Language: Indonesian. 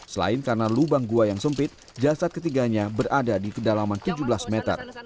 selain karena lubang gua yang sempit jasad ketiganya berada di kedalaman tujuh belas meter